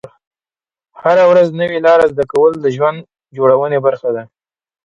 هره ورځ نوې لارې زده کول د ژوند جوړونې برخه ده.